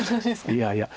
いやいや。